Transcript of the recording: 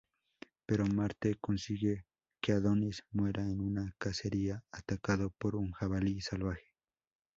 Pero Marte consigue que Adonis muera en una cacería, atacado por un jabalí salvaje.